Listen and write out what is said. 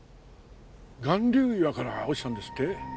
巌流岩から落ちたんですって？